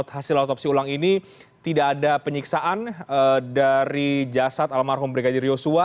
hasil otopsi ulang ini tidak ada penyiksaan dari jasad almarhum brigadir yosua